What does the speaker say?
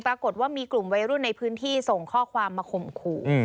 ปรากฏว่ามีกลุ่มวัยรุ่นในพื้นที่ส่งข้อความมาข่มขู่